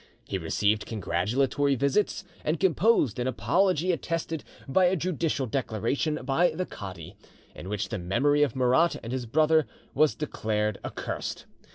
He received congratulatory visits, and composed an apology attested by a judicial declaration by the cadi, in which the memory of Murad and his brother was declared accursed.